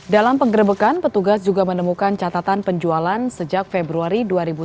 dalam penggerbekan petugas juga menemukan catatan penjualan sejak februari dua ribu sembilan belas